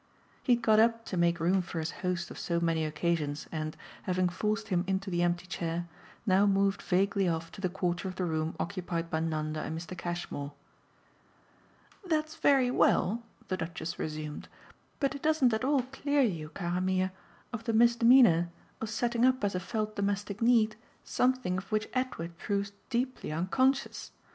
He had got up to make room for his host of so many occasions and, having forced him into the empty chair, now moved vaguely off to the quarter of the room occupied by Nanda and Mr. Cashmore. "That's very well," the Duchess resumed, "but it doesn't at all clear you, cara mia, of the misdemeanour of setting up as a felt domestic need something of which Edward proves deeply unconscious.